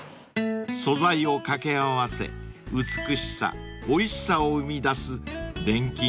［素材を掛け合わせ美しさおいしさを生み出す錬金